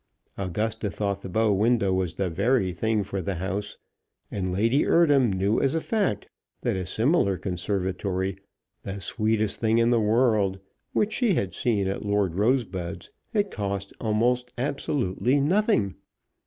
Augusta thought the bow window was the very thing for the house, and Lady Eardham knew as a fact that a similar conservatory, the sweetest thing in the world, which she had seen at Lord Rosebud's had cost almost absolutely nothing.